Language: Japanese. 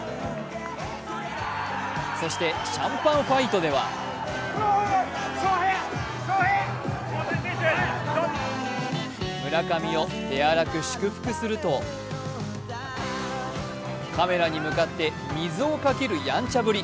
そしてシャンパンファイトでは村上を手荒く祝福するとカメラに向かって水をかけるやんちゃぶり。